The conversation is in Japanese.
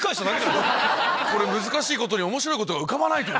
これ難しいことに面白いことが浮かばない。